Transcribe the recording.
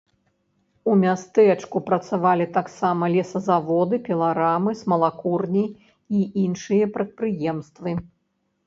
У мястэчку працавалі таксама лесазаводы, піларамы, смалакурні і іншыя прадпрыемствы.